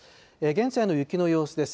現在の雪の様子です。